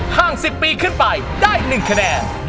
หาก๑๐ปีขึ้นไปได้๑คะแนน